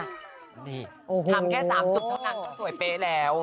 ทำแค่๓สุดก็นั่งสวยเปะแล้ว